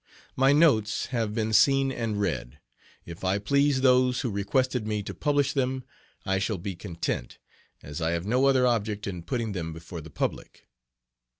My "notes" have been seen and read. If I please those who requested me to publish them I shall be content, as I have no other object in putting them before the public.